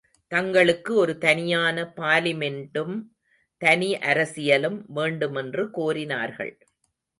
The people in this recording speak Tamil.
தங்களுக்கு ஒரு தனியான பாலிமெண்டும் தனி அரசியலும் வேண்டுமென்று கோரினார்கள்.